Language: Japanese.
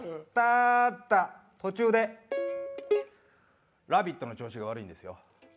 ただ、途中でラビットの調子が悪いんですよ